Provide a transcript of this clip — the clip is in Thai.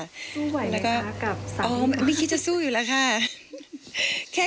สู้ไหวไหมคะกับสังหรือค่ะอ๋อไม่คิดจะสู้อยู่แล้วค่ะ